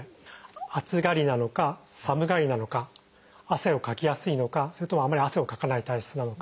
暑がりなのか寒がりなのか汗をかきやすいのかそれともあんまり汗をかかない体質なのか。